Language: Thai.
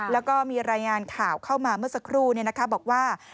แล้วก็มีรายงานข่าวเข้ามาเมื่อสักครู่บอกว่า